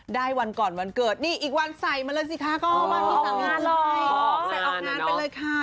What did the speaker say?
ใส่ออกงานไปเลยค่ะ